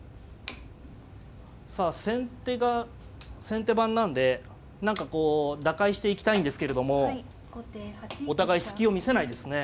さあ先手が先手番なんで何かこう打開していきたいんですけれどもお互い隙を見せないですね。